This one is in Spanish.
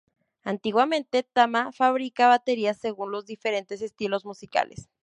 Antiguamente Tama fabricaba baterías según los diferentes estilos musicales.